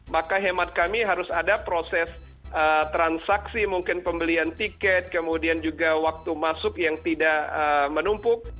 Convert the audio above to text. maka hemat kami harus ada proses transaksi mungkin pembelian tiket kemudian juga waktu masuk yang tidak menumpuk